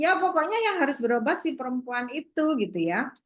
ya pokoknya yang harus berobat si perempuan itu gitu ya